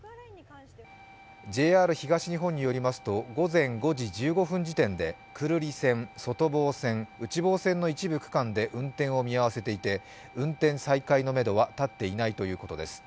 ＪＲ東日本によりますと、午前５時１５分時点で久留里線、外房線、内房線の一部区間で運転を見合わせていて、運転再開のめどは立っていないということです。